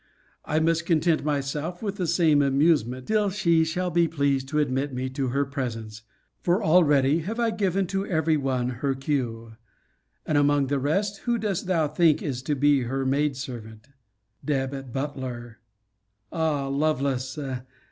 I must content myself with the same amusement, till she shall be pleased to admit me to her presence: for already have I given to every one her cue. And, among the rest, who dost thou think is to be her maid servant? Deb. Butler. Ah, Lovelace!